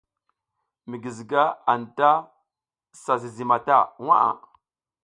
Mi guiziga anta si zizi mata waʼa.